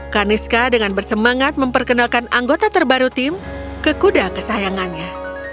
kaniska dengan bersemangat memperkenalkan anggota terbaru tim ke kuda kesayangannya